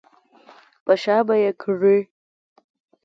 په شا به یې کړې.